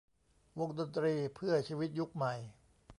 วงดนตรีเพื่อชีวิตยุคใหม่